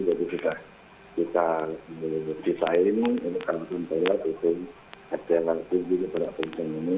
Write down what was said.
jadi kita menyesuaikan ini kan untuk berat itu adalah berat yang ini